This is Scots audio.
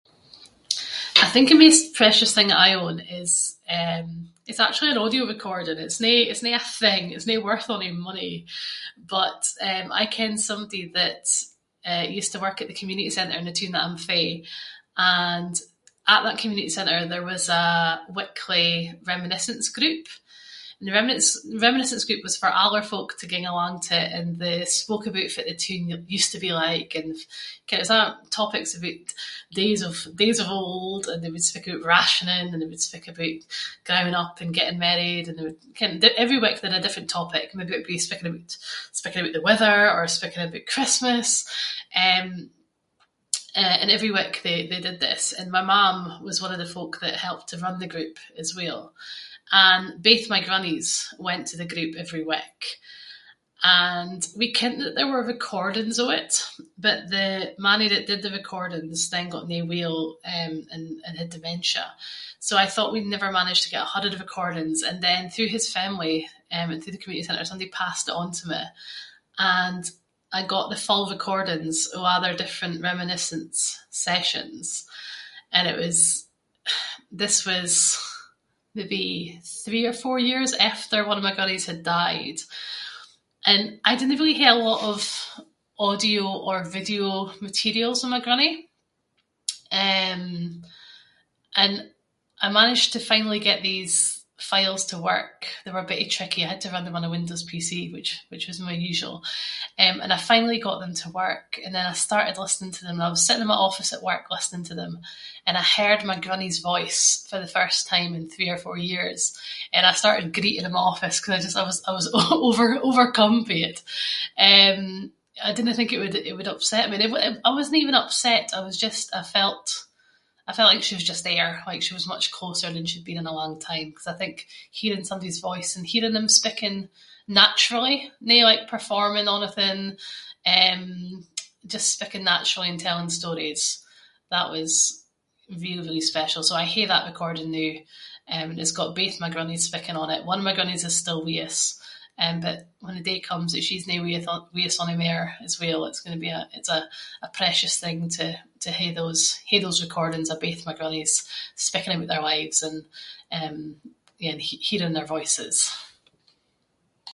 I think the maist precious thing that I own is eh- is actually an audio recording. It’s no- it’s no a thing, it’s no worth ony money. But eh, I ken somebody that used to work at the community centre in the toon that I’m fae and at that community centre there was a weekly reminiscence group. And the reminiscence group was for older folk to ging along to, and they spoke aboot fitt the toon used to be like and ken it was a’ kind of topics about days of- days of old. And they would speak aboot rationing, and they would speak aboot growing up and getting married and- ken every week they had a different topic. Maybe it’d be speaking aboot- speaking aboot the weather or speaking aboot Christmas. Eh, and every week they did this and my mam was one of the folk that helped to run the group as well. And both my grannies went to the group every week. And we kent that there were recordings of it, but the mannie that did the recordings then got no well and- and had dementia. So I thought we’d never manage to get a hold of the recordings and then through his family, eh and through the community centre, somebody passed it on to me. And I got the full recordings of a’ their different reminiscence sessions, and it was- this was maybe three or four years after one of my grannies had died, and I dinna really hae a lot of audio or video materials of my grannie. Eh and I managed to finally get these files to work, they were a bittie tricky, I had to run them on a Windows PC, which- which was my usual, and I finally got them to work and then I started listening to them. And I was sitting in my office at work listening to them, and I heard my grannies voice for the first time in three or four years, and I started greeting in my office, ‘cause I just- I was- I was over- overcome by it. Eh I didnae think it would- that it would upset me. It wa- I wasnae even upset, I was just- I felt- I felt like she was just there, like she was much closer than she’d been in a long time, ‘cause I think hearing somebody’s voice and hearing them speaking naturally, no like performing onything, eh just speaking naturally and telling stories. That was really really special. So I hae that recording noo, eh and it’s got both my grannies speaking on it. One of my grannies is still with us, eh but when the day comes that she’s no with us- with us ony mair as well, it’s going to be a- it’s a precious thing to- to hae those- hae those recordings of both my grannies speaking about their lives and eh, yeah, hearing their voices.